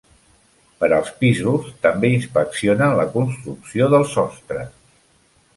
Per als pisos, també inspeccionen la construcció del sostre.